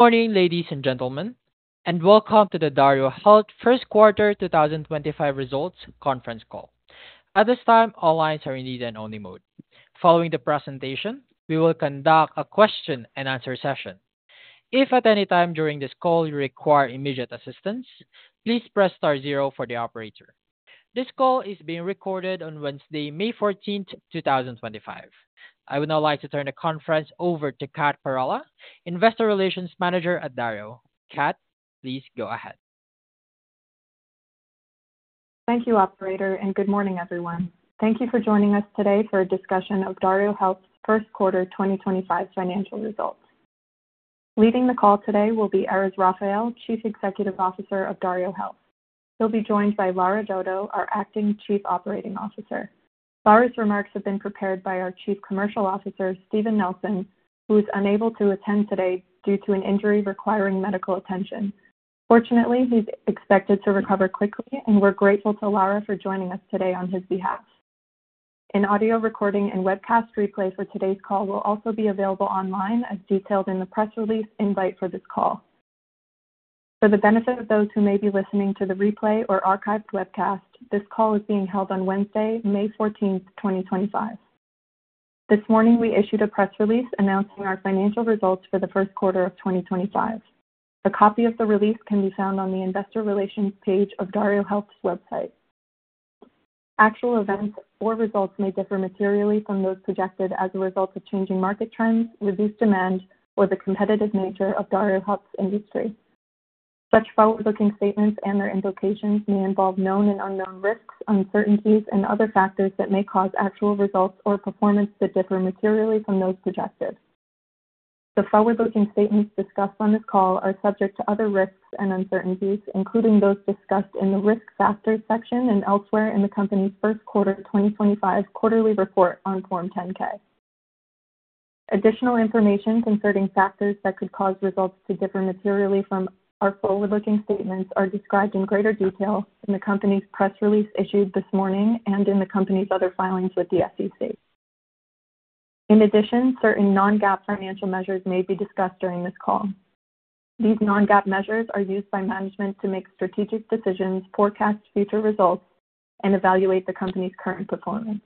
Morning, ladies and gentlemen, and welcome to the DarioHealth First Quarter 2025 Results Conference Call. At this time, all lines are in either only mode. Following the presentation, we will conduct a question and-answer session. If at any time during this call you require immediate assistance, please press star zero for the operator. This call is being recorded on Wednesday, May 14, 2025. I would now like to turn the conference over to Kat Parrella, Investor Relations Manager at Dario. Kat, please go ahead. Thank you, Operator, and good morning, everyone. Thank you for joining us today for a discussion of DarioHealth's first quarter 2025 financial results. Leading the call today will be Erez Raphael, Chief Executive Officer of DarioHealth. He'll be joined by Lara Dodo, our Acting Chief Operating Officer. Lara's remarks have been prepared by our Chief Commercial Officer, Steven Nelson, who is unable to attend today due to an injury requiring medical attention. Fortunately, he's expected to recover quickly, and we're grateful to Lara for joining us today on his behalf. An audio recording and webcast replay for today's call will also be available online, as detailed in the press release invite for this call. For the benefit of those who may be listening to the replay or archived webcast, this call is being held on Wednesday, May 14, 2025. This morning, we issued a press release announcing our financial results for the first quarter of 2025. A copy of the release can be found on the Investor Relations page of DarioHealth's website. Actual events or results may differ materially from those projected as a result of changing market trends, reduced demand, or the competitive nature of DarioHealth's industry. Such forward-looking statements and their invocations may involve known and unknown risks, uncertainties, and other factors that may cause actual results or performance to differ materially from those projected. The forward-looking statements discussed on this call are subject to other risks and uncertainties, including those discussed in the risk factors section and elsewhere in the company's First Quarter 2025 quarterly report on Form 10-K. Additional information concerning factors that could cause results to differ materially from our forward-looking statements is described in greater detail in the company's press release issued this morning and in the company's other filings with the SEC. In addition, certain non-GAAP financial measures may be discussed during this call. These non-GAAP measures are used by management to make strategic decisions, forecast future results, and evaluate the company's current performance.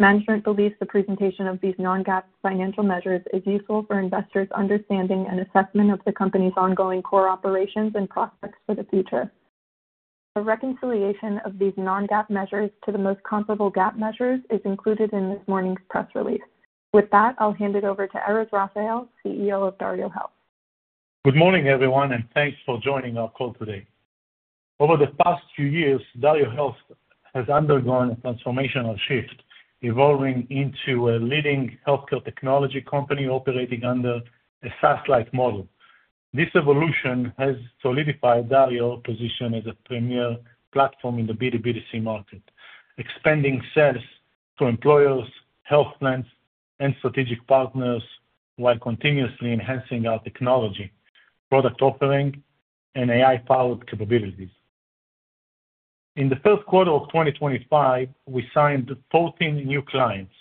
Management believes the presentation of these non-GAAP financial measures is useful for investors' understanding and assessment of the company's ongoing core operations and prospects for the future. A reconciliation of these non-GAAP measures to the most comparable GAAP measures is included in this morning's press release. With that, I'll hand it over to Erez Raphael, CEO of DarioHealth. Good morning, everyone, and thanks for joining our call today. Over the past few years, DarioHealth has undergone a transformational shift, evolving into a leading healthcare technology company operating under a SaaS-like model. This evolution has solidified DarioHealth's position as a premier platform in the B2B2C market, expanding sales to employers, health plans, and strategic partners while continuously enhancing our technology, product offering, and AI-powered capabilities. In the first quarter of 2025, we signed 14 new clients.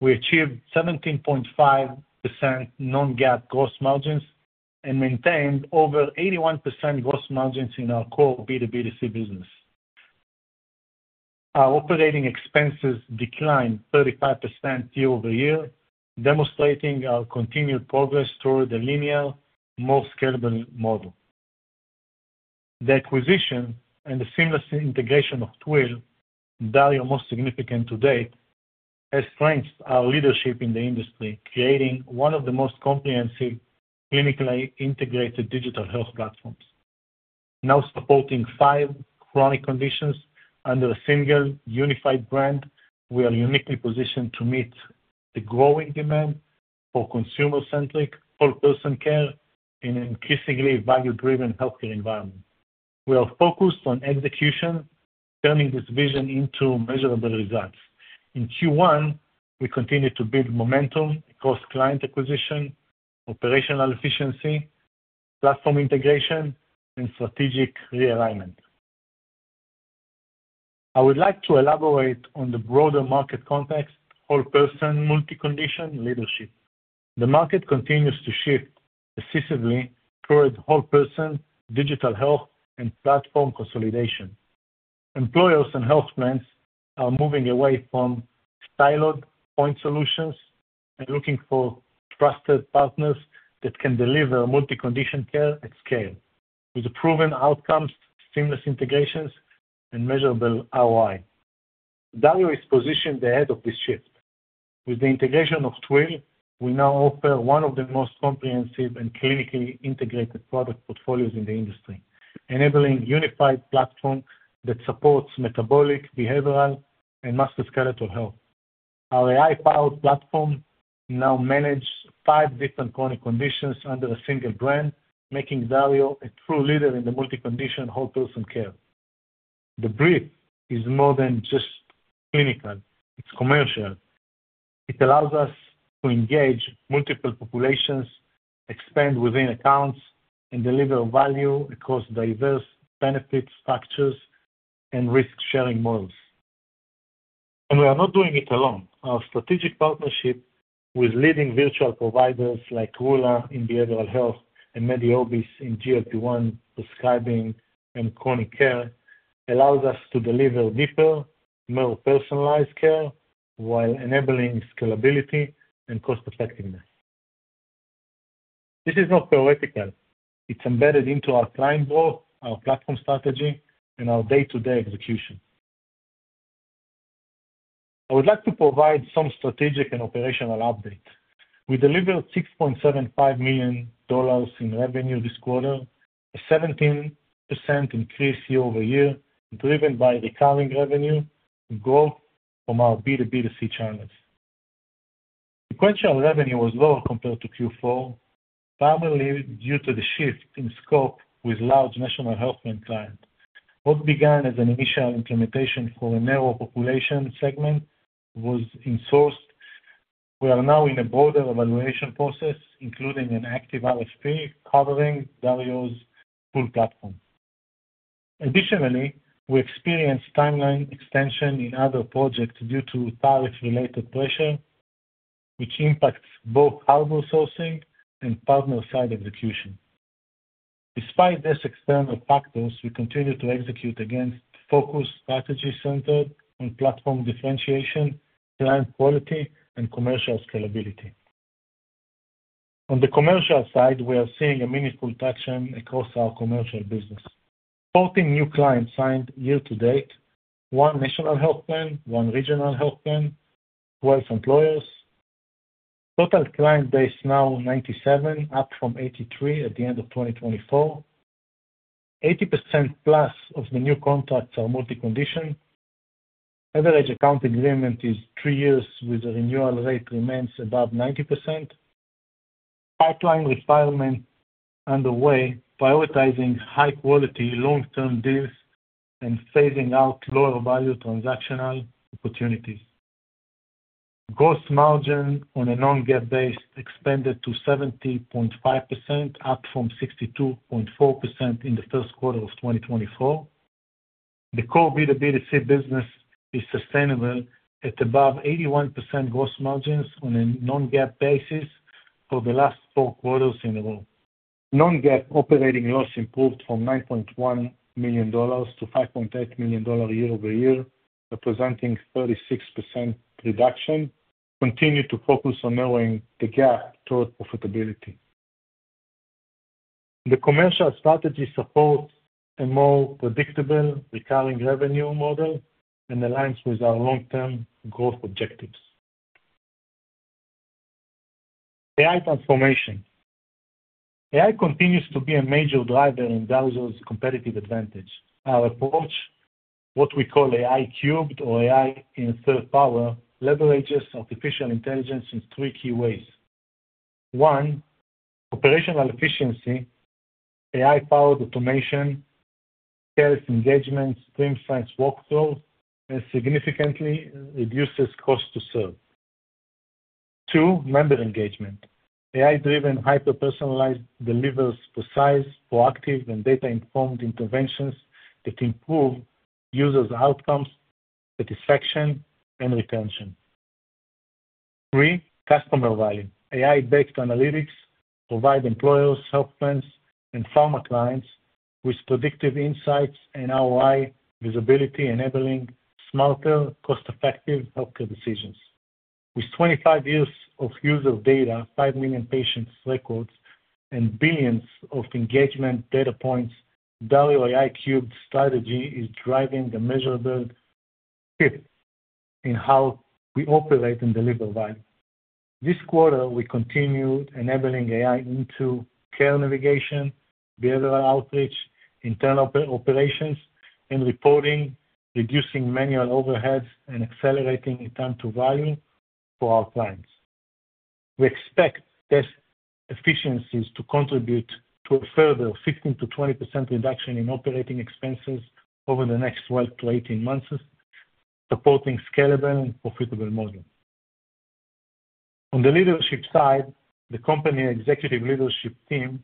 We achieved 17.5% non-GAAP gross margins and maintained over 81% gross margins in our core B2B2C business. Our operating expenses declined 35% year over year, demonstrating our continued progress toward a linear, more scalable model. The acquisition and the seamless integration of Twill, DarioHealth's most significant to date, has strengthened our leadership in the industry, creating one of the most comprehensive clinically integrated digital health platforms. Now supporting five chronic conditions under a single unified brand, we are uniquely positioned to meet the growing demand for consumer-centric, whole-person care in an increasingly value-driven healthcare environment. We are focused on execution, turning this vision into measurable results. In Q1, we continue to build momentum across client acquisition, operational efficiency, platform integration, and strategic realignment. I would like to elaborate on the broader market context: whole-person, multi-condition leadership. The market continues to shift decisively toward whole-person digital health and platform consolidation. Employers and health plans are moving away from siloed point solutions and looking for trusted partners that can deliver multi-condition care at scale, with proven outcomes, seamless integrations, and measurable ROI. DarioHealth is positioned ahead of this shift. With the integration of Twill, we now offer one of the most comprehensive and clinically integrated product portfolios in the industry, enabling a unified platform that supports metabolic, behavioral, and musculoskeletal health. Our AI-powered platform now manages five different chronic conditions under a single brand, making DarioHealth a true leader in the multi-condition whole-person care. The brief is more than just clinical; it is commercial. It allows us to engage multiple populations, expand within accounts, and deliver value across diverse benefit structures and risk-sharing models. We are not doing it alone. Our strategic partnership with leading virtual providers like RULA in behavioral health and MediOrbis in GLP-1 prescribing and chronic care allows us to deliver deeper, more personalized care while enabling scalability and cost-effectiveness. This is not theoretical; it is embedded into our client growth, our platform strategy, and our day-to-day execution. I would like to provide some strategic and operational updates. We delivered $6.75 million in revenue this quarter, a 17% increase year over year, driven by recurring revenue growth from our B2B2C channels. Sequential revenue was lower compared to Q4, primarily due to the shift in scope with large national health plan clients. What began as an initial implementation for a narrow population segment was insourced. We are now in a broader evaluation process, including an active RFP covering DarioHealth's full platform. Additionally, we experienced timeline extension in other projects due to tariff-related pressure, which impacts both harbor sourcing and partner-side execution. Despite these external factors, we continue to execute against a focused strategy centered on platform differentiation, client quality, and commercial scalability. On the commercial side, we are seeing a meaningful traction across our commercial business. 14 new clients signed year to date: one national health plan, one regional health plan, 12 employers. Total client base now 97, up from 83 at the end of 2024. 80%+ of the new contracts are multi-condition. Average account agreement is three years, with a renewal rate remaining above 90%. Pipeline refinement underway, prioritizing high-quality, long-term deals and phasing out lower-value transactional opportunities. Gross margin on a non-GAAP base expanded to 70.5%, up from 62.4% in the first quarter of 2024. The core B2B2C business is sustainable at above 81% gross margins on a non-GAAP basis for the last four quarters in a row. Non-GAAP operating loss improved from $9.1 million to $5.8 million year-over year, representing a 36% reduction. We continue to focus on narrowing the gap toward profitability. The commercial strategy supports a more predictable recurring revenue model and aligns with our long-term growth objectives. AI transformation. AI continues to be a major driver in DarioHealth's competitive advantage. Our approach, what we call AI Cubed or AI in Third Power, leverages artificial intelligence in three key ways. One, operational efficiency: AI-powered automation, sales engagement, streamlined workflows, and significantly reduces cost to serve. Two, member engagement: AI-driven hyper-personalization delivers precise, proactive, and data-informed interventions that improve users' outcomes, satisfaction, and retention. Three, customer value: AI-based analytics provide employers, health plans, and pharma clients with predictive insights and ROI visibility, enabling smarter, cost-effective healthcare decisions. With 25 years of user data, 5 million patients' records, and billions of engagement data points, DarioHealth's AI Cubed strategy is driving a measurable shift in how we operate and deliver value. This quarter, we continue enabling AI into care navigation, behavioral outreach, internal operations, and reporting, reducing manual overheads and accelerating return to value for our clients. We expect these efficiencies to contribute to a further 15%-20% reduction in operating expenses over the next 12-18 months, supporting a scalable and profitable model. On the leadership side, the company executive leadership team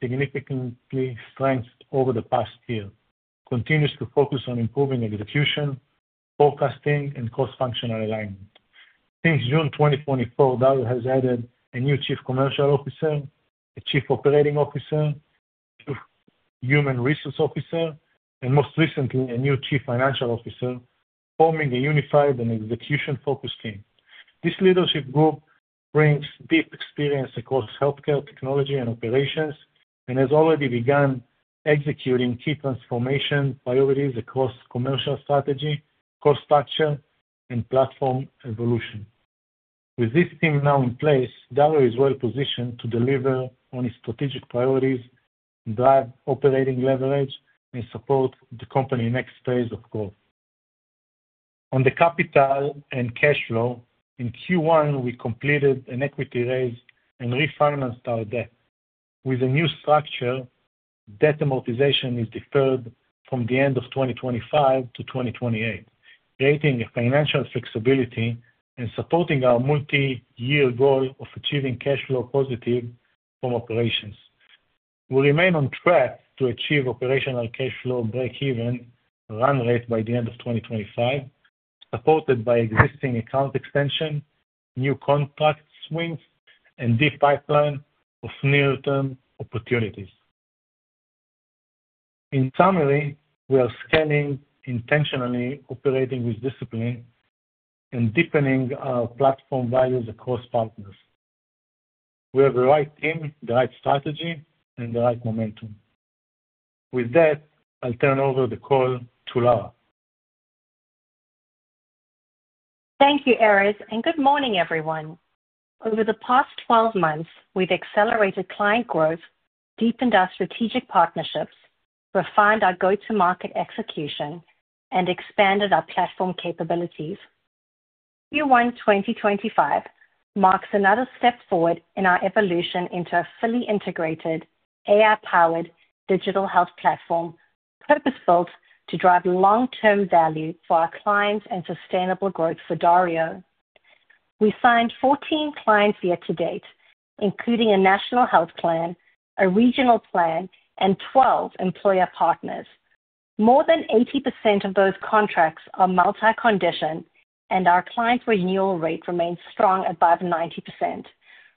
significantly strengthened over the past year, continuing to focus on improving execution, forecasting, and cross-functional alignment. Since June 2024, DarioHealth has added a new Chief Commercial Officer, a Chief Operating Officer, a Chief Human Resource Officer, and most recently, a new Chief Financial Officer, forming a unified and execution-focused team. This leadership group brings deep experience across healthcare, technology, and operations, and has already begun executing key transformation priorities across commercial strategy, cost structure, and platform evolution. With this team now in place, DarioHealth is well positioned to deliver on its strategic priorities, drive operating leverage, and support the company in the next phase of growth. On the capital and cash flow, in Q1, we completed an equity raise and refinanced our debt. With a new structure, debt amortization is deferred from the end of 2025 to 2028, creating financial flexibility and supporting our multi-year goal of achieving cash flow positive from operations. We remain on track to achieve operational cash flow break-even run rate by the end of 2025, supported by existing account extension, new contract swings, and deep pipeline of near-term opportunities. In summary, we are scaling intentionally, operating with discipline, and deepening our platform values across partners. We have the right team, the right strategy, and the right momentum. With that, I'll turn over the call to Lara. Thank you, Erez, and good morning, everyone. Over the past 12 months, we've accelerated client growth, deepened our strategic partnerships, refined our go-to-market execution, and expanded our platform capabilities. Q1 2025 marks another step forward in our evolution into a fully integrated, AI-powered digital health platform, purpose-built to drive long-term value for our clients and sustainable growth for DarioHealth. We signed 14 clients year to date, including a national health plan, a regional plan, and 12 employer partners. More than 80% of those contracts are multi-condition, and our client renewal rate remains strong at above 90%,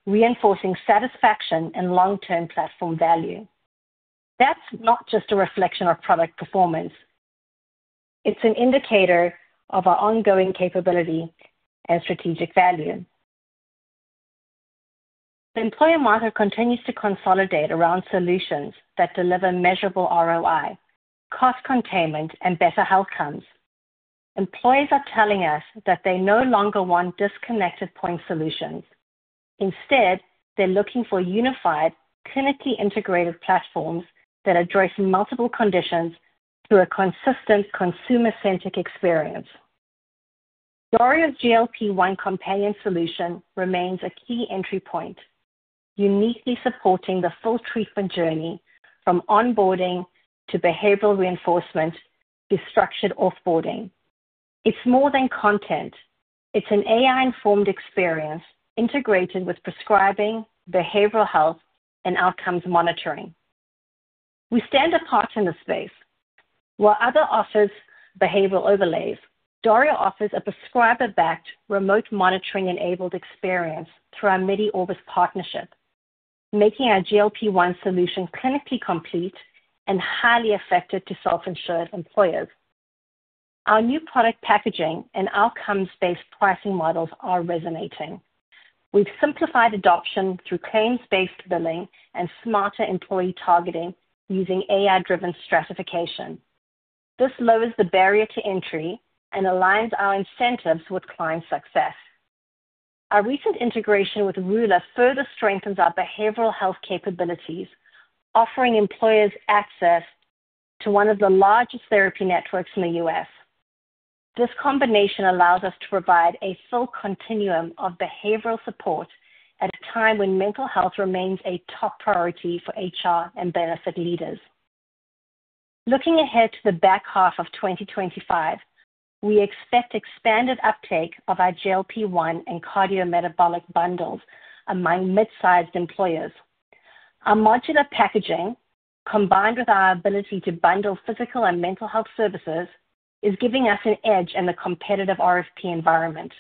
reinforcing satisfaction and long-term platform value. That's not just a reflection of product performance. It's an indicator of our ongoing capability and strategic value. The employer market continues to consolidate around solutions that deliver measurable ROI, cost containment, and better outcomes. Employers are telling us that they no longer want disconnected point solutions. Instead, they're looking for unified, clinically integrated platforms that address multiple conditions through a consistent, consumer-centric experience. DarioHealth's GLP-1 companion solution remains a key entry point, uniquely supporting the full treatment journey from onboarding to behavioral reinforcement to structured offboarding. It's more than content; it's an AI-informed experience integrated with prescribing, behavioral health, and outcomes monitoring. We stand apart in this space. While others offer behavioral overlays, DarioHealth offers a prescriber-backed, remote monitoring-enabled experience through our MediOrbis partnership, making our GLP-1 solution clinically complete and highly effective to self-insured employers. Our new product packaging and outcomes-based pricing models are resonating. We've simplified adoption through claims-based billing and smarter employee targeting using AI-driven stratification. This lowers the barrier to entry and aligns our incentives with client success. Our recent integration with RULA further strengthens our behavioral health capabilities, offering employers access to one of the largest therapy networks in the U.S. This combination allows us to provide a full continuum of behavioral support at a time when mental health remains a top priority for HR and benefit leaders. Looking ahead to the back half of 2025, we expect expanded uptake of our GLP-1 and cardiometabolic bundles among mid-sized employers. Our modular packaging, combined with our ability to bundle physical and mental health services, is giving us an edge in the competitive RFP environment.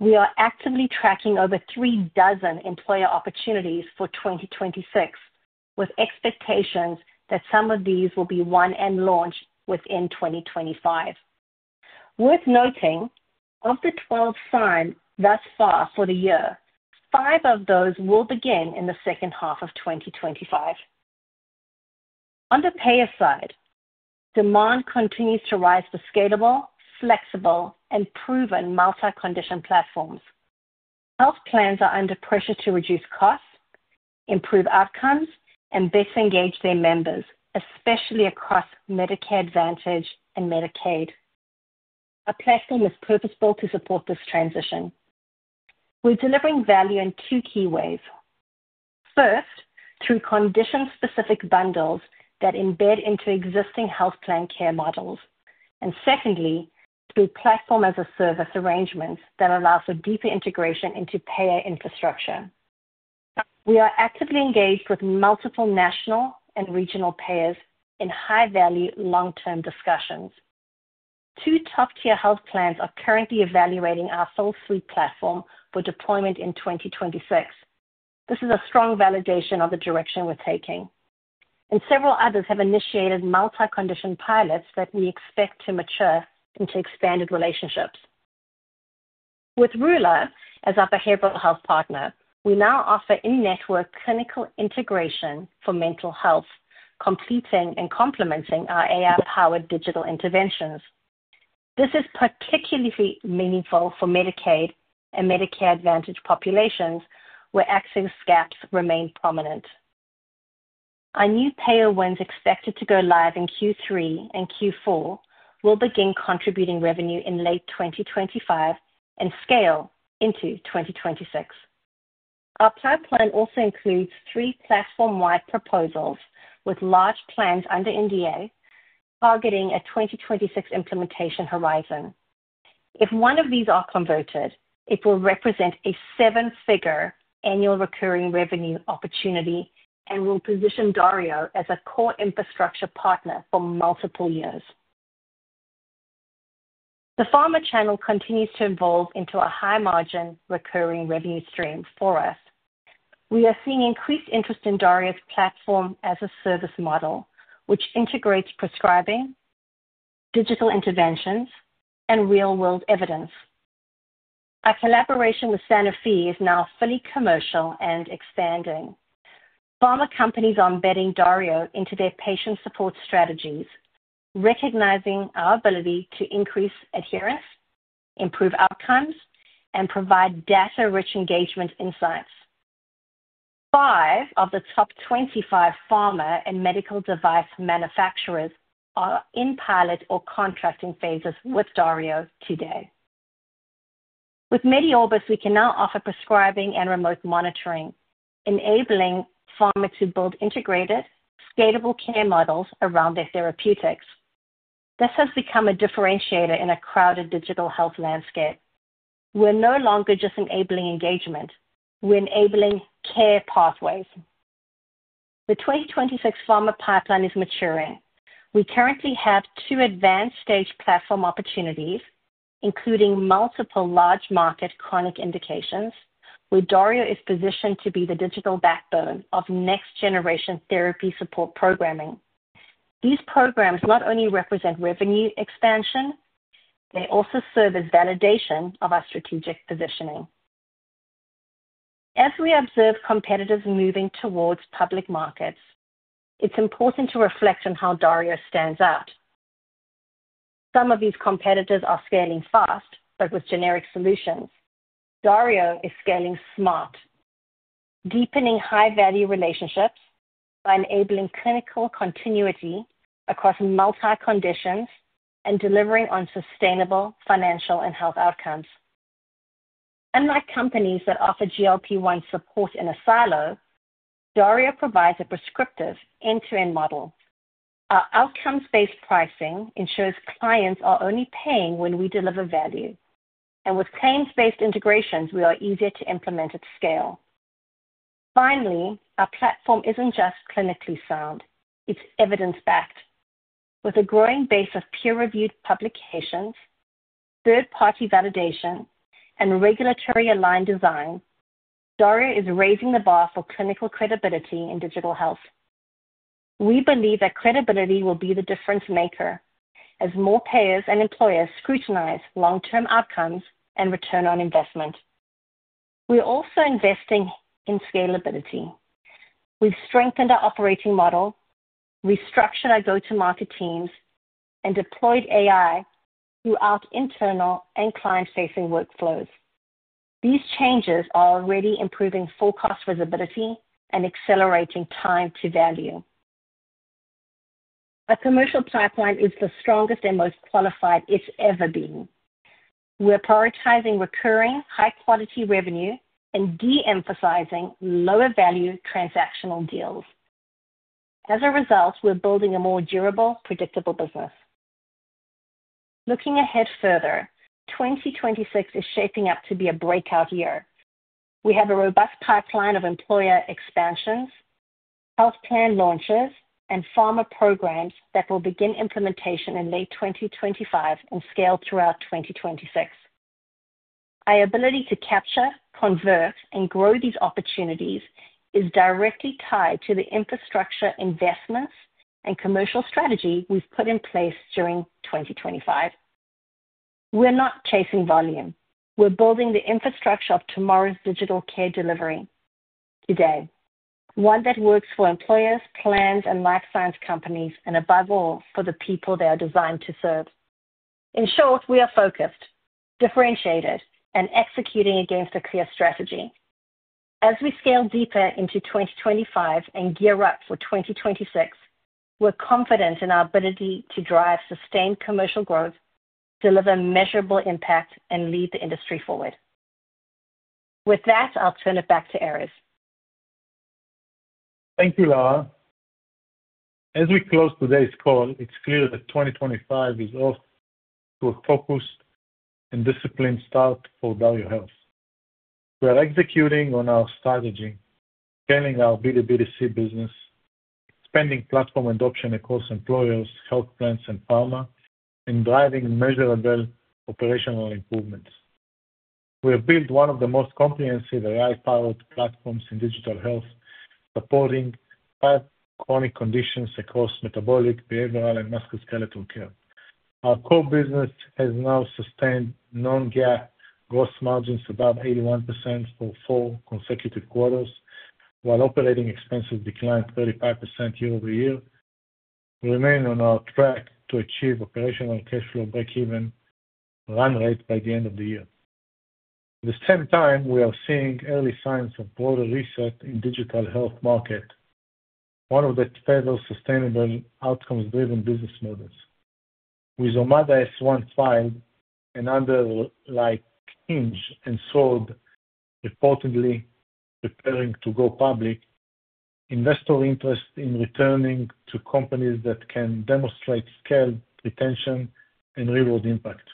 We are actively tracking over three dozen employer opportunities for 2026, with expectations that some of these will be won and launched within 2025. Worth noting, of the 12 signed thus far for the year, five of those will begin in the second half of 2025. On the payer side, demand continues to rise for scalable, flexible, and proven multi-condition platforms. Health plans are under pressure to reduce costs, improve outcomes, and best engage their members, especially across Medicare Advantage and Medicaid. Our platform is purposeful to support this transition. We are delivering value in two key ways. First, through condition-specific bundles that embed into existing health plan care models. Secondly, through platform-as-a-service arrangements that allow for deeper integration into payer infrastructure. We are actively engaged with multiple national and regional payers in high-value, long-term discussions. Two top-tier health plans are currently evaluating our full suite platform for deployment in 2026. This is a strong validation of the direction we are taking. Several others have initiated multi-condition pilots that we expect to mature into expanded relationships. With RULA as our behavioral health partner, we now offer in-network clinical integration for mental health, completing and complementing our AI-powered digital interventions. This is particularly meaningful for Medicaid and Medicare Advantage populations, where access gaps remain prominent. Our new payer wins expected to go live in Q3 and Q4 will begin contributing revenue in late 2025 and scale into 2026. Our pipeline also includes three platform-wide proposals with large plans under NDA targeting a 2026 implementation horizon. If one of these are converted, it will represent a seven-figure annual recurring revenue opportunity and will position DarioHealth as a core infrastructure partner for multiple years. The pharma channel continues to evolve into a high-margin recurring revenue stream for us. We are seeing increased interest in DarioHealth's platform as a service model, which integrates prescribing, digital interventions, and real-world evidence. Our collaboration with Sanofi is now fully commercial and expanding. Pharma companies are embedding DarioHealth into their patient support strategies, recognizing our ability to increase adherence, improve outcomes, and provide data-rich engagement insights. Five of the top 25 pharma and medical device manufacturers are in pilot or contracting phases with DarioHealth today. With MediOrbis, we can now offer prescribing and remote monitoring, enabling pharma to build integrated, scalable care models around their therapeutics. This has become a differentiator in a crowded digital health landscape. We're no longer just enabling engagement; we're enabling care pathways. The 2026 pharma pipeline is maturing. We currently have two advanced-stage platform opportunities, including multiple large-market chronic indications, where DarioHealth is positioned to be the digital backbone of next-generation therapy support programming. These programs not only represent revenue expansion, they also serve as validation of our strategic positioning. As we observe competitors moving towards public markets, it's important to reflect on how DarioHealth stands out. Some of these competitors are scaling fast, but with generic solutions. DarioHealth is scaling smart, deepening high-value relationships by enabling clinical continuity across multi-conditions and delivering on sustainable financial and health outcomes. Unlike companies that offer GLP-1 support in a silo, DarioHealth provides a prescriptive end-to-end model. Our outcomes-based pricing ensures clients are only paying when we deliver value. With claims-based integrations, we are easier to implement at scale. Finally, our platform isn't just clinically sound, it's evidence-backed. With a growing base of peer-reviewed publications, third-party validation, and regulatory-aligned design, DarioHealth is raising the bar for clinical credibility in digital health. We believe that credibility will be the difference-maker as more payers and employers scrutinize long-term outcomes and return on investment. We're also investing in scalability. We've strengthened our operating model, restructured our go-to-market teams, and deployed AI throughout internal and client-facing workflows. These changes are already improving full-cost visibility and accelerating time to value. Our commercial pipeline is the strongest and most qualified it's ever been. We're prioritizing recurring, high-quality revenue and de-emphasizing lower-value transactional deals. As a result, we're building a more durable, predictable business. Looking ahead further, 2026 is shaping up to be a breakout year. We have a robust pipeline of employer expansions, health plan launches, and pharma programs that will begin implementation in late 2025 and scale throughout 2026. Our ability to capture, convert, and grow these opportunities is directly tied to the infrastructure investments and commercial strategy we've put in place during 2025. We're not chasing volume. We're building the infrastructure of tomorrow's digital care delivery today, one that works for employers, plans, and life science companies, and above all, for the people they are designed to serve. In short, we are focused, differentiated, and executing against a clear strategy. As we scale deeper into 2025 and gear up for 2026, we're confident in our ability to drive sustained commercial growth, deliver measurable impact, and lead the industry forward. With that, I'll turn it back to Erez. Thank you, Lara. As we close today's call, it's clear that 2025 is off to a focused and disciplined start for DarioHealth. We are executing on our strategy, scaling our B2B2C business, expanding platform adoption across employers, health plans, and pharma, and driving measurable operational improvements. We have built one of the most comprehensive AI-powered platforms in digital health, supporting five chronic conditions across metabolic, behavioral, and musculoskeletal care. Our core business has now sustained non-GAAP gross margins above 81% for four consecutive quarters, while operating expenses declined 35% year-over-year. We remain on our track to achieve operational cash flow break-even run rate by the end of the year. At the same time, we are seeing early signs of broader reset in the digital health market, one of the favored sustainable outcomes-driven business models. With Omada S-1 filed and under, like Hinge and Sword, reportedly preparing to go public, investor interest in returning to companies that can demonstrate scale, retention, and reward impact.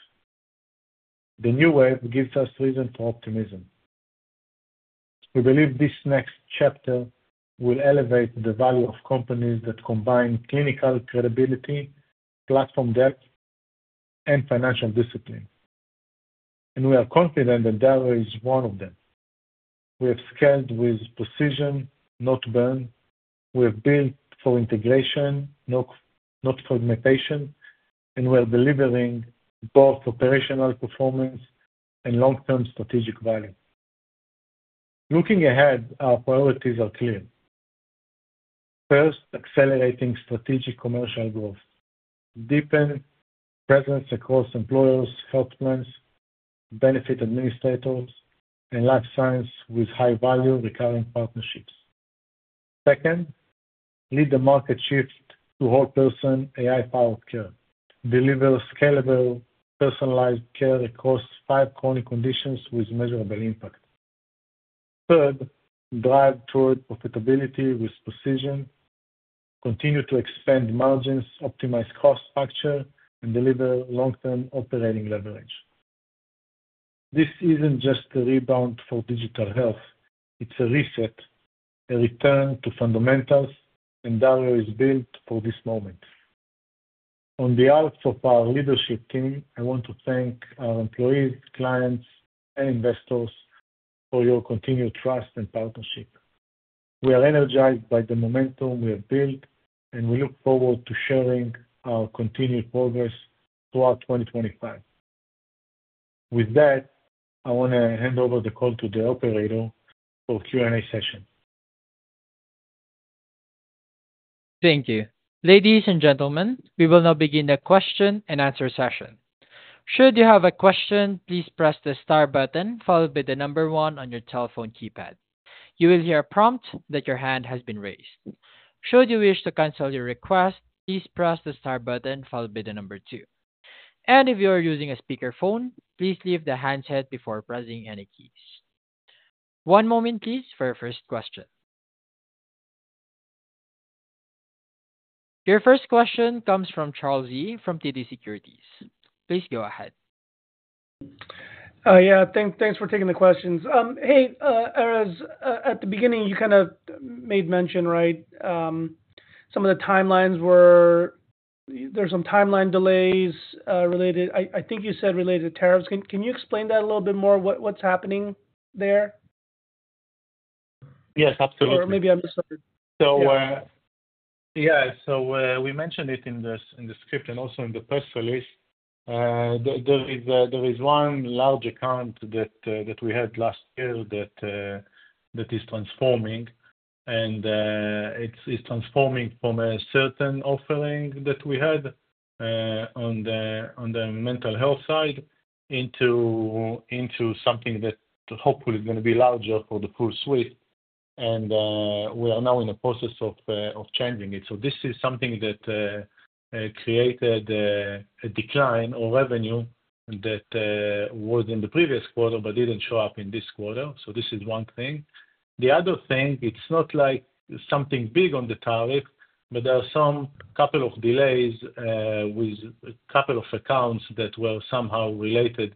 The new wave gives us reason for optimism. We believe this next chapter will elevate the value of companies that combine clinical credibility, platform depth, and financial discipline. We are confident that DarioHealth is one of them. We have scaled with precision, not burn. We have built for integration, not fragmentation, and we are delivering both operational performance and long-term strategic value. Looking ahead, our priorities are clear. First, accelerating strategic commercial growth, deepen presence across employers, health plans, benefit administrators, and life science with high-value recurring partnerships. Second, lead the market shift to whole-person AI-powered care, deliver scalable personalized care across five chronic conditions with measurable impact. Third, drive toward profitability with precision, continue to expand margins, optimize cost structure, and deliver long-term operating leverage. This isn't just a rebound for digital health; it's a reset, a return to fundamentals, and DarioHealth is built for this moment. On behalf of our leadership team, I want to thank our employees, clients, and investors for your continued trust and partnership. We are energized by the momentum we have built, and we look forward to sharing our continued progress throughout 2025. With that, I want to hand over the call to the operator for a Q&A session. Thank you. Ladies and gentlemen, we will now begin the question-and-answer session. Should you have a question, please press the star button followed by the number one on your telephone keypad. You will hear a prompt that your hand has been raised. Should you wish to cancel your request, please press the star button followed by the number two. If you are using a speakerphone, please leave the handset before pressing any keys. One moment, please, for your first question. Your first question comes from Charles Yee from TD Securities. Please go ahead. Yeah, thanks for taking the questions. Hey, Erez, at the beginning, you kind of made mention, right, some of the timelines where there's some timeline delays related, I think you said related to tariffs. Can you explain that a little bit more? What's happening there? Yes, absolutely. Or maybe I'm just. Yeah, we mentioned it in the script and also in the press release. There is one large account that we had last year that is transforming. It's transforming from a certain offering that we had on the mental health side into something that hopefully is going to be larger for the full suite. We are now in the process of changing it. This is something that created a decline of revenue that was in the previous quarter but didn't show up in this quarter. This is one thing. The other thing, it's not like something big on the tariff, but there are a couple of delays with a couple of accounts that were somehow related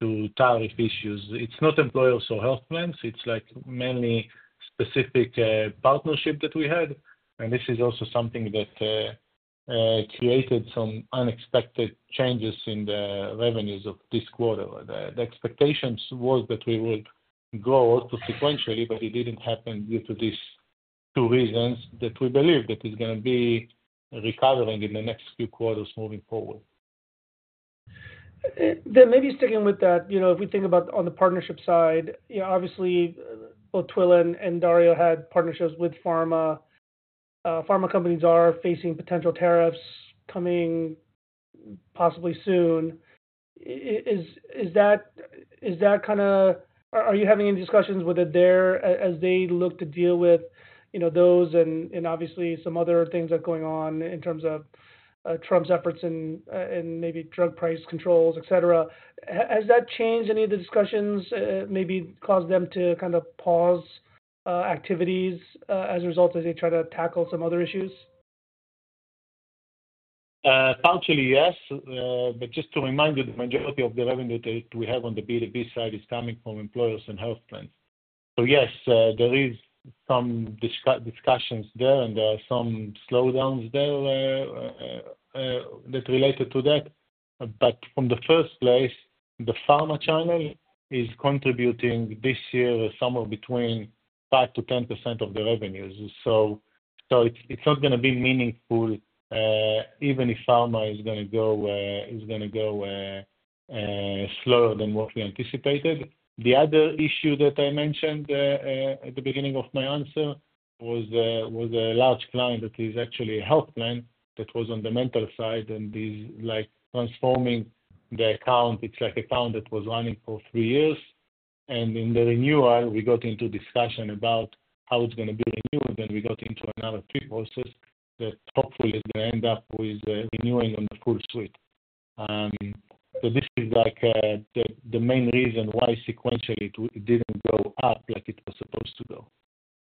to tariff issues. It's not employers or health plans. It's mainly specific partnerships that we had. This is also something that created some unexpected changes in the revenues of this quarter. The expectations were that we would grow also sequentially, but it did not happen due to these two reasons that we believe that it is going to be recovering in the next few quarters moving forward. Maybe sticking with that, if we think about on the partnership side, obviously, both Twill and Dario had partnerships with pharma. Pharma companies are facing potential tariffs coming possibly soon. Is that kind of, are you having any discussions with them there as they look to deal with those and obviously some other things that are going on in terms of Trump's efforts and maybe drug price controls, etc.? Has that changed any of the discussions, maybe caused them to kind of pause activities as a result as they try to tackle some other issues? Partially, yes. Just to remind you, the majority of the revenue that we have on the B2B side is coming from employers and health plans. Yes, there are some discussions there, and there are some slowdowns there that are related to that. From the first place, the pharma channel is contributing this year somewhere between 5%-10% of the revenues. It is not going to be meaningful even if pharma is going to go slower than what we anticipated. The other issue that I mentioned at the beginning of my answer was a large client that is actually a health plan that was on the mental side and is transforming the account. It is an account that was running for three years. In the renewal, we got into discussion about how it is going to be renewed. We got into another pre-process that hopefully is going to end up with renewing on the full suite. This is like the main reason why sequentially it did not go up like it was supposed to go.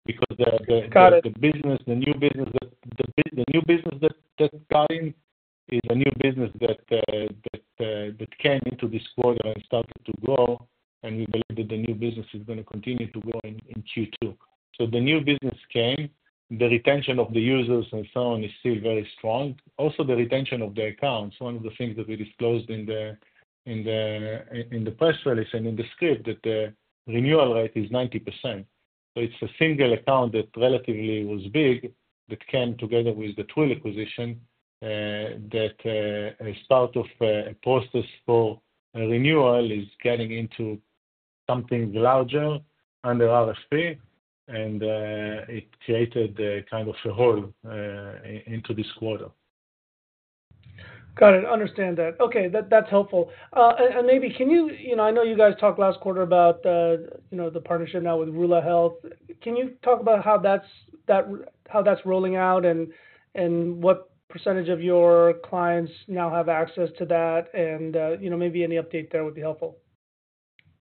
Because the new business that got in is a new business that came into this quarter and started to grow. We believe that the new business is going to continue to grow in Q2. The new business came. The retention of the users and so on is still very strong. Also, the retention of the accounts, one of the things that we disclosed in the press release and in the script is that the renewal rate is 90%. It's a single account that relatively was big that came together with the Twill acquisition that is part of a process for renewal, is getting into something larger under RFP. It created kind of a hole into this quarter. Got it. Understand that. Okay, that's helpful. Maybe can you, I know you guys talked last quarter about the partnership now with Rula. Can you talk about how that's rolling out and what % of your clients now have access to that? Maybe any update there would be helpful.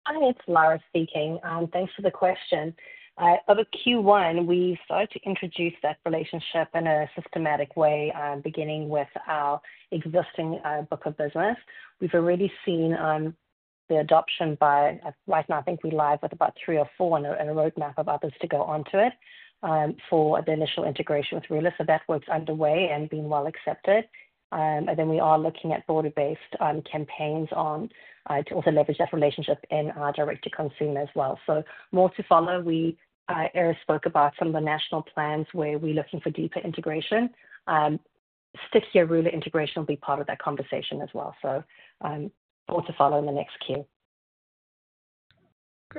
Hi, it's Lara speaking. Thanks for the question. Over Q1, we started to introduce that relationship in a systematic way, beginning with our existing book of business. We've already seen the adoption by right now, I think we're live with about three or four and a roadmap of others to go onto it for the initial integration with Rula. That work is underway and being well accepted. We are looking at broader-based campaigns to also leverage that relationship in our direct-to-consumer as well. More to follow. Erez spoke about some of the national plans where we're looking for deeper integration. Stickier Rula integration will be part of that conversation as well. More to follow in the next queue.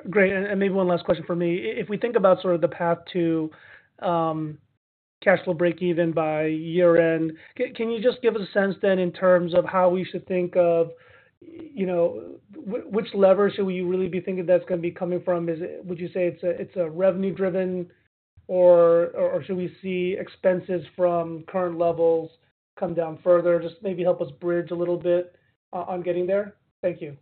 Great. Maybe one last question for me. If we think about sort of the path to cash flow break-even by year-end, can you just give us a sense then in terms of how we should think of which lever should we really be thinking that's going to be coming from? Would you say it's a revenue-driven, or should we see expenses from current levels come down further? Just maybe help us bridge a little bit on getting there. Thank you.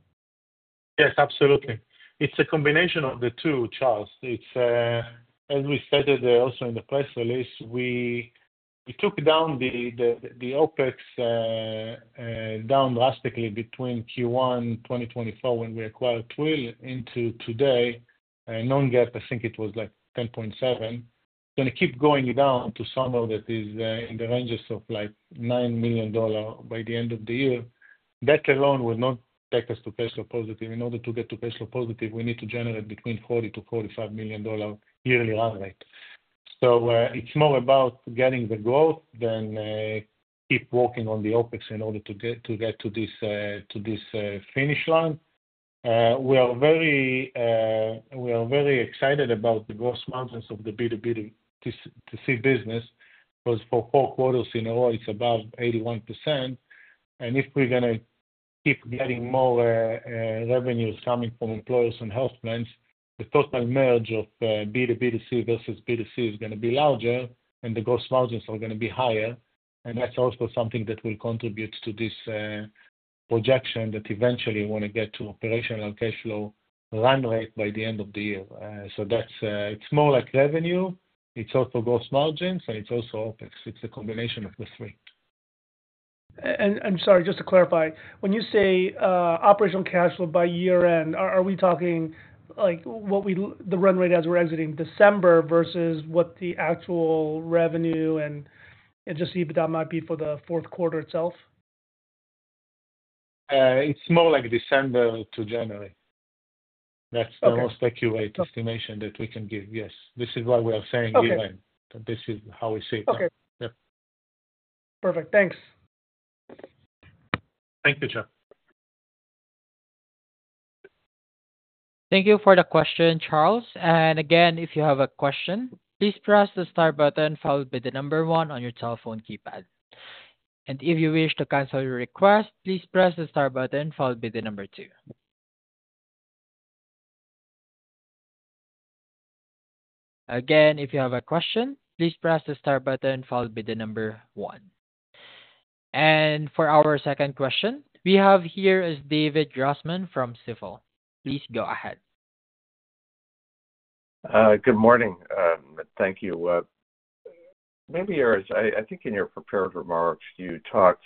Yes, absolutely. It's a combination of the two, Charles. As we stated also in the press release, we took down the OpEx down drastically between Q1 2024 when we acquired Twill into today. Non-GAAP, I think it was like $10.7 million. It's going to keep going down to somewhere that is in the ranges of like $9 million by the end of the year. That alone would not take us to cash flow positive. In order to get to cash flow positive, we need to generate between $40-$45 million yearly run rate. It is more about getting the growth than keep working on the OpEx in order to get to this finish line. We are very excited about the gross margins of the B2B2C business because for four quarters in a row, it's above 81%. If we are going to keep getting more revenues coming from employers and health plans, the total merge of B2B2C versus B2C is going to be larger, and the gross margins are going to be higher. That is also something that will contribute to this projection that eventually we want to get to operational cash flow run rate by the end of the year. It is more like revenue. It is also gross margins, and it is also OpEx. It is a combination of the three. Sorry, just to clarify, when you say operational cash flow by year-end, are we talking like the run rate as we're exiting December versus what the actual revenue and just the EBITDA might be for the fourth quarter itself? It's more like December to January. That's the most accurate estimation that we can give. Yes. This is why we are saying year-end. This is how we see it. Okay. Perfect. Thanks. Thank you, John. Thank you for the question, Charles. If you have a question, please press the star button followed by the number one on your telephone keypad. If you wish to cancel your request, please press the star button followed by the number two. If you have a question, please press the star button followed by the number one. For our second question, we have David Grassman from CIVIL. Please go ahead. Good morning. Thank you. Maybe, Erez, I think in your prepared remarks, you talked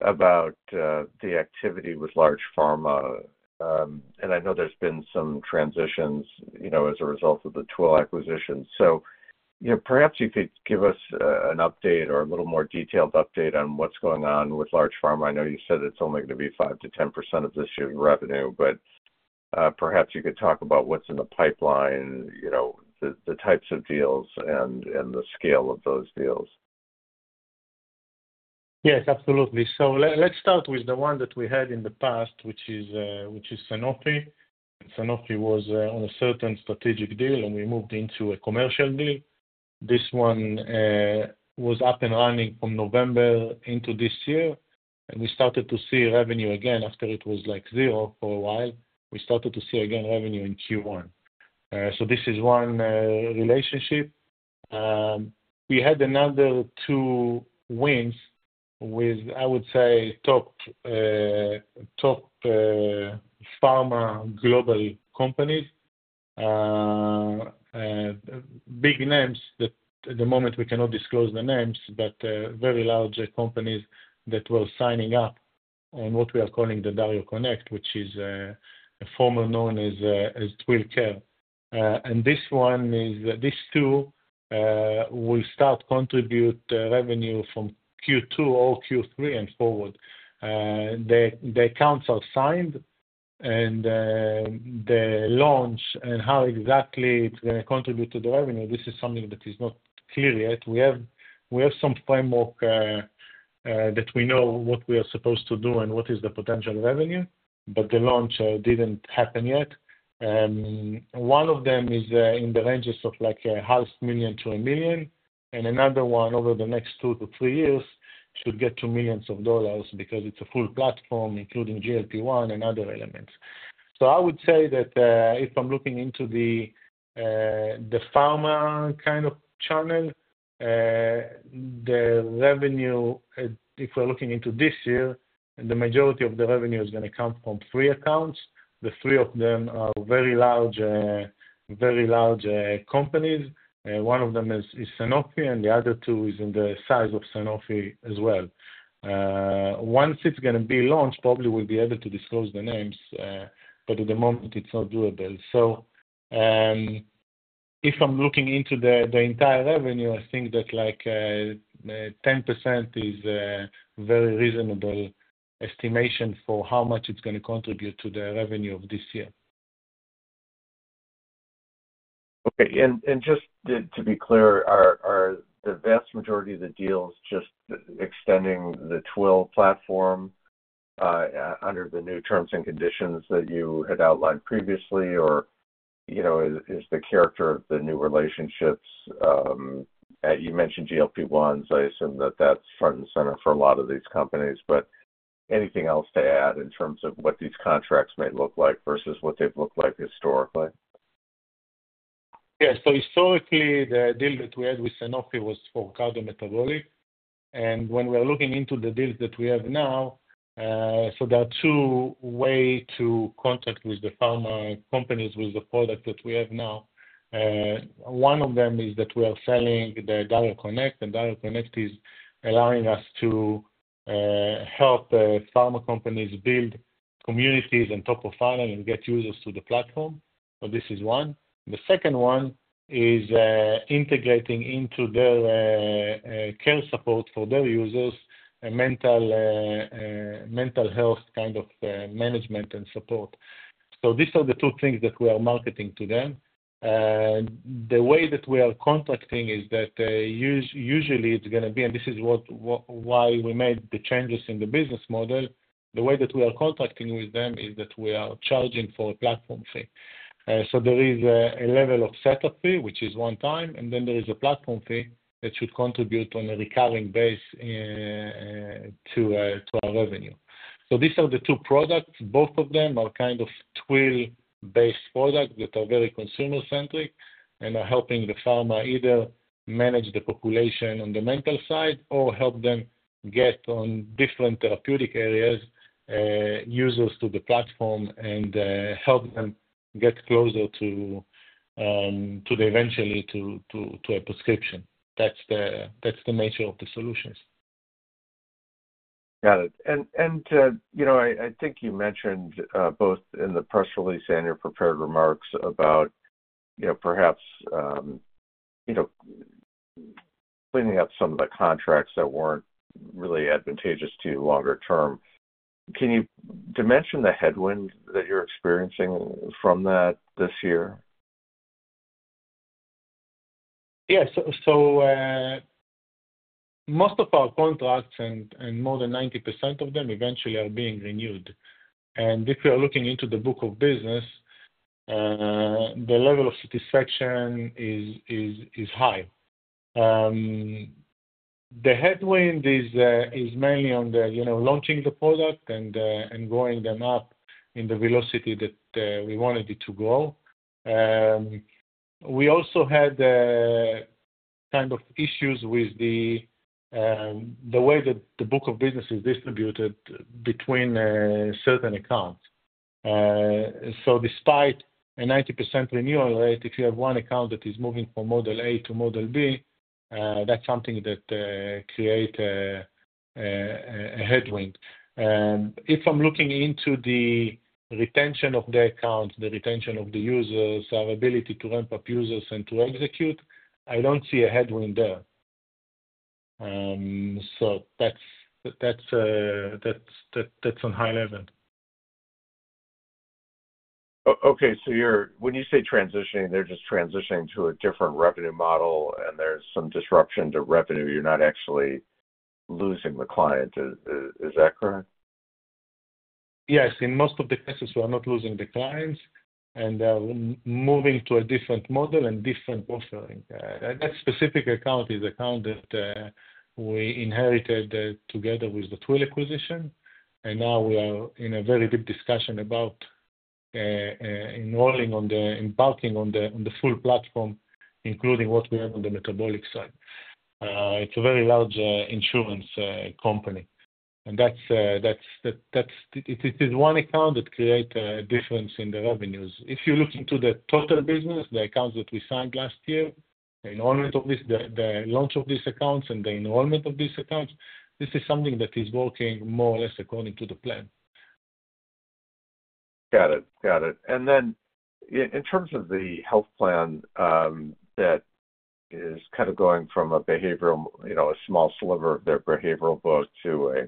about the activity with large pharma. I know there's been some transitions as a result of the Twill acquisition. Perhaps you could give us an update or a little more detailed update on what's going on with large pharma. I know you said it's only going to be 5%-10% of this year's revenue, but perhaps you could talk about what's in the pipeline, the types of deals, and the scale of those deals. Yes, absolutely. Let's start with the one that we had in the past, which is Sanofi. Sanofi was on a certain strategic deal, and we moved into a commercial deal. This one was up and running from November into this year. We started to see revenue again after it was like zero for a while. We started to see again revenue in Q1. This is one relationship. We had another two wins with, I would say, top pharma global companies. Big names that at the moment we cannot disclose the names, but very large companies that were signing up on what we are calling the Dario Connect, which is formerly known as TwillCare. These two will start to contribute revenue from Q2 or Q3 and forward. The accounts are signed, and the launch and how exactly it's going to contribute to the revenue, this is something that is not clear yet. We have some framework that we know what we are supposed to do and what is the potential revenue, but the launch didn't happen yet. One of them is in the ranges of like $500,000-$1,000,000. And another one over the next two to three years should get to millions of dollars because it's a full platform, including GLP-1 and other elements. I would say that if I'm looking into the pharma kind of channel, the revenue, if we're looking into this year, the majority of the revenue is going to come from three accounts. The three of them are very large, very large companies. One of them is Sanofi, and the other two is in the size of Sanofi as well. Once it's going to be launched, probably we'll be able to disclose the names, but at the moment, it's not doable. If I'm looking into the entire revenue, I think that like 10% is a very reasonable estimation for how much it's going to contribute to the revenue of this year. Okay. And just to be clear, are the vast majority of the deals just extending the Twill platform under the new terms and conditions that you had outlined previously, or is the character of the new relationships you mentioned GLP-1s, I assume that that's front and center for a lot of these companies. Anything else to add in terms of what these contracts might look like versus what they've looked like historically? Yes. Historically, the deal that we had with Sanofi was for carbometabolic. When we're looking into the deals that we have now, there are two ways to contact with the pharma companies with the product that we have now. One of them is that we are selling the Dario Connect, and Dario Connect is allowing us to help pharma companies build communities and top of funnel and get users to the platform. This is one. The second one is integrating into their care support for their users, mental health kind of management and support. These are the two things that we are marketing to them. The way that we are contracting is that usually it's going to be, and this is why we made the changes in the business model, the way that we are contracting with them is that we are charging for a platform fee. There is a level of setup fee, which is one time, and then there is a platform fee that should contribute on a recurring base to our revenue. These are the two products. Both of them are kind of Twill-based products that are very consumer-centric and are helping the pharma either manage the population on the mental side or help them get on different therapeutic areas, users to the platform, and help them get closer to eventually to a prescription. That's the nature of the solutions. Got it. I think you mentioned both in the press release and your prepared remarks about perhaps cleaning up some of the contracts that were not really advantageous to you longer term. Can you dimension the headwind that you are experiencing from that this year? Yes. Most of our contracts, and more than 90% of them, eventually are being renewed. If we are looking into the book of business, the level of satisfaction is high. The headwind is mainly on launching the product and growing them up in the velocity that we wanted it to grow. We also had kind of issues with the way that the book of business is distributed between certain accounts. Despite a 90% renewal rate, if you have one account that is moving from model A to model B, that's something that creates a headwind. If I'm looking into the retention of the accounts, the retention of the users, our ability to ramp up users and to execute, I don't see a headwind there. That's on high level. Okay. So when you say transitioning, they're just transitioning to a different revenue model, and there's some disruption to revenue. You're not actually losing the client. Is that correct? Yes. In most of the cases, we are not losing the clients, and they are moving to a different model and different offering. That specific account is an account that we inherited together with the Twill acquisition. Now we are in a very deep discussion about embarking on the full platform, including what we have on the metabolic side. It is a very large insurance company. It is one account that creates a difference in the revenues. If you look into the total business, the accounts that we signed last year, the enrollment of this, the launch of these accounts, and the enrollment of these accounts, this is something that is working more or less according to the plan. Got it. Got it. In terms of the health plan that is kind of going from a small sliver of their behavioral book to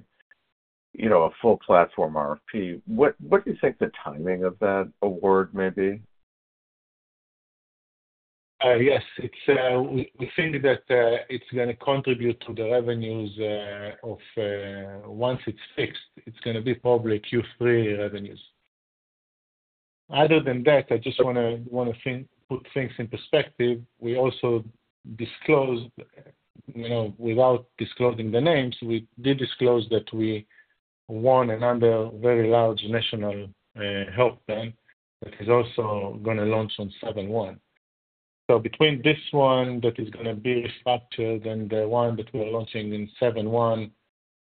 a full platform RFP, what do you think the timing of that award may be? Yes. We think that it's going to contribute to the revenues of once it's fixed, it's going to be probably Q3 revenues. Other than that, I just want to put things in perspective. We also disclosed, without disclosing the names, we did disclose that we won another very large national health plan that is also going to launch on 7/1. Between this one that is going to be restructured and the one that we are launching in 7/1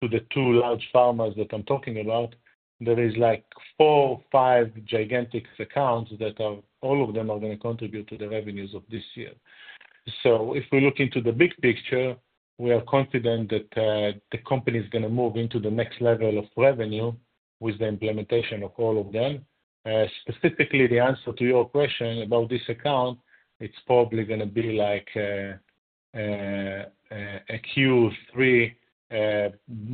to the two large pharmas that I'm talking about, there is like four or five gigantic accounts that all of them are going to contribute to the revenues of this year. If we look into the big picture, we are confident that the company is going to move into the next level of revenue with the implementation of all of them. Specifically, the answer to your question about this account, it's probably going to be like a Q3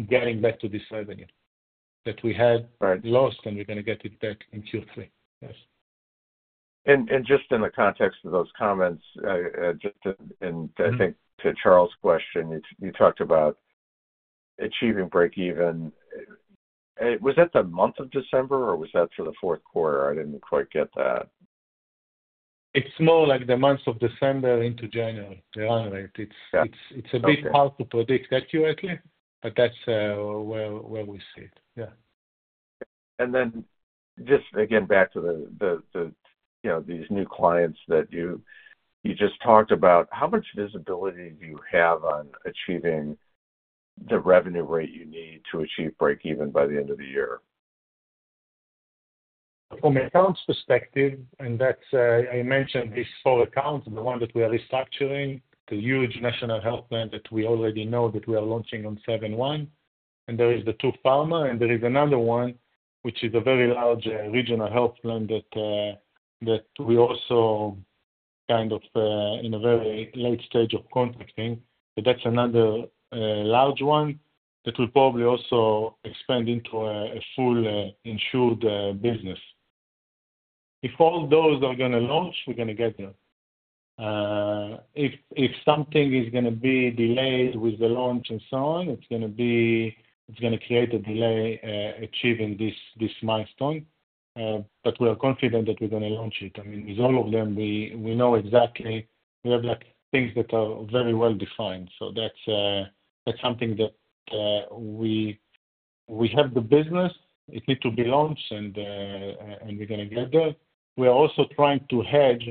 getting back to this revenue that we had lost, and we're going to get it back in Q3. Yes. Just in the context of those comments, just to think to Charles' question, you talked about achieving break-even. Was that the month of December, or was that for the fourth quarter? I didn't quite get that. It's more like the month of December into January, the run rate. It's a bit hard to predict accurately, but that's where we see it. Yeah. Just again, back to these new clients that you just talked about, how much visibility do you have on achieving the revenue rate you need to achieve break-even by the end of the year? From an accounts perspective, and I mentioned these four accounts, the one that we are restructuring, the huge national health plan that we already know that we are launching on July 1, and there is the two pharma, and there is another one, which is a very large regional health plan that we also kind of in a very late stage of contracting. That is another large one that will probably also expand into a full insured business. If all those are going to launch, we're going to get there. If something is going to be delayed with the launch and so on, it is going to create a delay achieving this milestone. We are confident that we're going to launch it. I mean, with all of them, we know exactly we have things that are very well defined. That's something that we have the business, it needs to be launched, and we're going to get there. We are also trying to hedge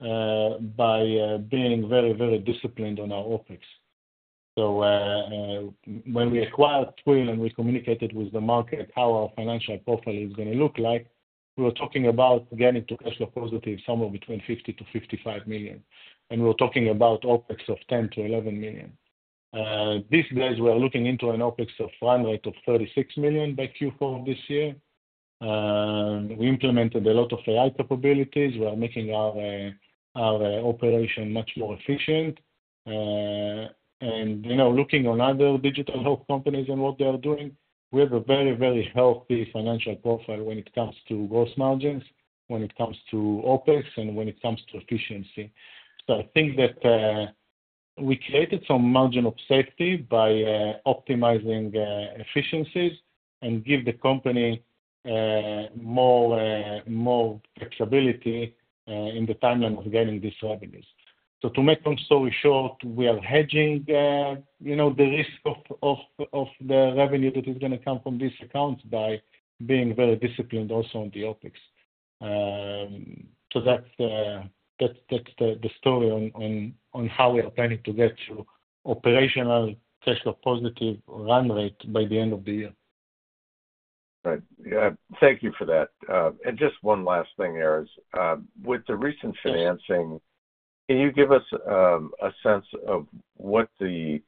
by being very, very disciplined on our OpEx. When we acquired Twill and we communicated with the market how our financial profile is going to look like, we were talking about getting to cash flow positive somewhere between $50 million-$55 million. We were talking about OpEx of $10 million-$11 million. These days, we are looking into an OpEx run rate of $36 million by Q4 this year. We implemented a lot of AI capabilities. We are making our operation much more efficient. Looking at other digital health companies and what they are doing, we have a very, very healthy financial profile when it comes to gross margins, when it comes to OpEx, and when it comes to efficiency. I think that we created some margin of safety by optimizing efficiencies and give the company more flexibility in the timeline of getting these revenues. To make a long story short, we are hedging the risk of the revenue that is going to come from these accounts by being very disciplined also on the OpEx. That is the story on how we are planning to get to operational cash flow positive run rate by the end of the year. Right. Yeah. Thank you for that. Just one last thing, Erez. With the recent financing, can you give us a sense of what the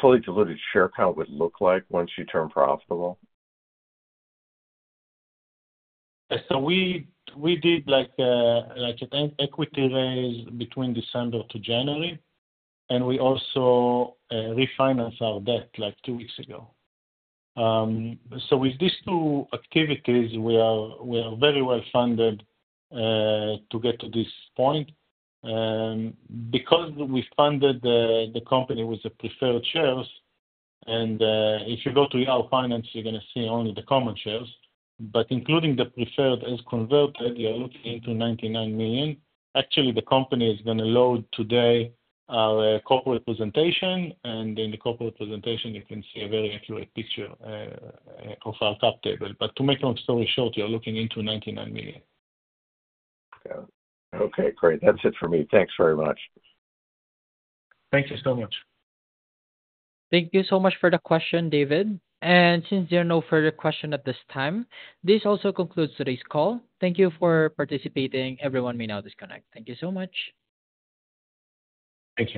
fully diluted share count would look like once you turn profitable? We did an equity raise between December to January, and we also refinanced our debt like two weeks ago. With these two activities, we are very well funded to get to this point. We funded the company with the preferred shares, and if you go to Yahoo Finance, you're going to see only the common shares. Including the preferred as converted, you're looking into $99 million. Actually, the company is going to load today our corporate presentation, and in the corporate presentation, you can see a very accurate picture of our top table. To make a long story short, you're looking into $99 million. Okay. Okay. Great. That's it for me. Thanks very much. Thank you so much. Thank you so much for the question, David. Since there are no further questions at this time, this also concludes today's call. Thank you for participating. Everyone may now disconnect. Thank you so much. Thank you.